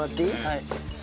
はい。